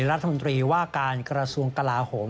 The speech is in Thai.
รัฐมนตรีว่าการกระทรวงกลาโหม